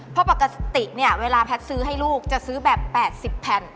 เพราะปกติเนี่ยเวลาแพทย์ซื้อให้ลูกจะซื้อแบบ๘๐แผ่น